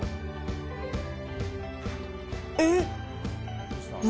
えっ！